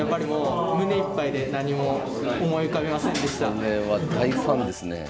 これは大ファンですね。